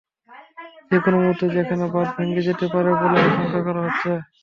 যেকোনো মুহূর্তে সেখানে বাঁধ ভেঙে যেতে পারে বলে আশঙ্কা করা হচ্ছে।